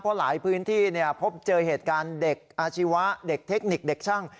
เพราะหลายพื้นที่พบเจอเหตุการณ์เด็กอาชีวะเด็กเทคนิคเด็กช่าง